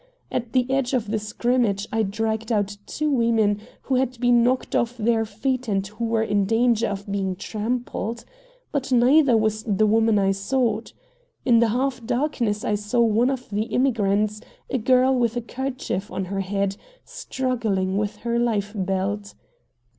At the edge of the scrimmage I dragged out two women who had been knocked off their feet and who were in danger of being trampled. But neither was the woman I sought. In the half darkness I saw one of the immigrants, a girl with a 'kerchief on her head, struggling with her life belt.